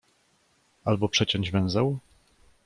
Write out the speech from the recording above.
"Albo przeciąć węzeł?"